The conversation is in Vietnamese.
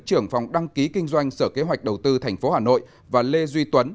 trưởng phòng đăng ký kinh doanh sở kế hoạch đầu tư tp hà nội và lê duy tuấn